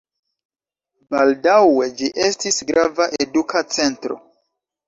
Baldaŭe ĝi estis grava eduka centro.